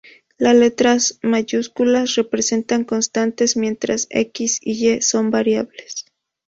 Las letras mayúsculas representan constantes, mientras "x" e "y" son variables.